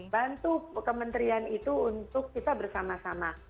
bantu kementerian itu untuk kita bersama sama